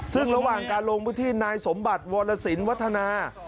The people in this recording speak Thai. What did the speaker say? ซึ่งระหว่างการลงพื้นที่นายสมบัติวรสินวัฒนา